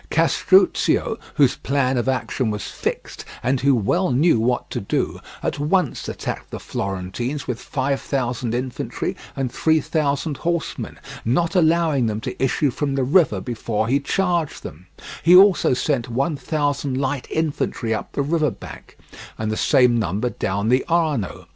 Castruccio, whose plan of action was fixed, and who well knew what to do, at once attacked the Florentines with five thousand infantry and three thousand horsemen, not allowing them to issue from the river before he charged them; he also sent one thousand light infantry up the river bank, and the same number down the Arno.